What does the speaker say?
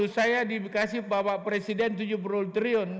dua ribu dua puluh satu saya dikasih bapak presiden tujuh puluh triliun